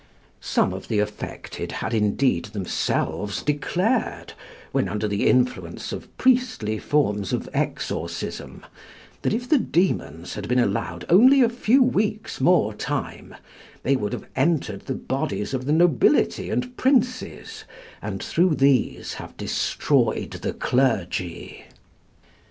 Some of the affected had indeed themselves declared, when under the influence of priestly forms of exorcism, that if the demons had been allowed only a few weeks' more time, they would have entered the bodies of the nobility and princes, and through these have destroyed the clergy.